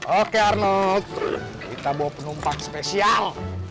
oke arnold kita bawa penumpang spesial